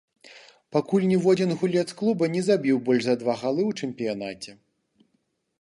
Пакуль ніводзін гулец клуба не забіў больш за два галы ў чэмпіянаце.